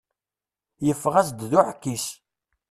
Yeffeɣ-as-d d uɛkis.